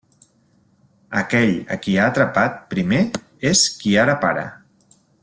Aquell a qui ha atrapat primer és qui ara para.